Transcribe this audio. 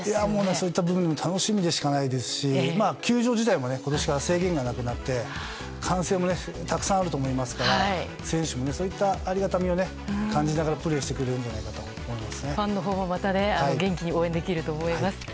そういった部分も楽しみでしかないですし球場自体も今年から制限がなくなって歓声もたくさんあると思いますから選手もそういったありがたみを感じながらプレーしてくれるんじゃないかと思います。